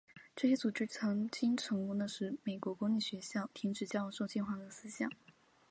这些组织曾经成功地使美国公立学校停止教授进化论思想。